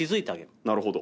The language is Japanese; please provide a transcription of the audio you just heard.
なるほど。